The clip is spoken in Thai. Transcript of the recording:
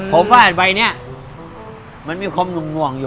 ผมว่าใบเนี่ยมันมีความหน่วงอยู่